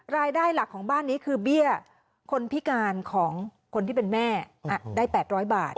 รายได้หลักของบ้านนี้คือเบี้ยคนพิการของคนที่เป็นแม่ได้๘๐๐บาท